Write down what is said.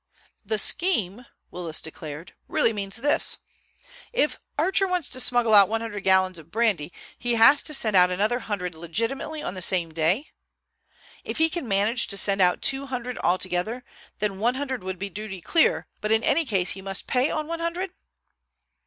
"The scheme," Willis declared, "really means this. If Archer wants to smuggle out one hundred gallons of brandy, he has to send out another hundred legitimately on the same day? If he can manage to send out two hundred altogether then one hundred will be duty clear, but in any case he must pay on one hundred?"